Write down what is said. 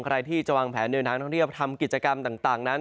ใครที่จะวางแผนเดินทางท่องเที่ยวทำกิจกรรมต่างนั้น